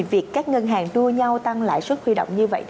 việc các ngân hàng đua nhau tăng lãi suất huy động như vậy